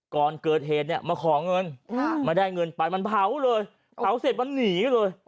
ก่อนเกิดเหตุเนี่ยมาขอเงินมาได้เงินไปมันเผาเลยเผาเสร็จมันหนีเลย